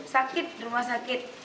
sakit rumah sakit